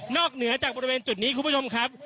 เหนือจากบริเวณจุดนี้คุณผู้ชมครับ